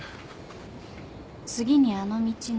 次にあの道の。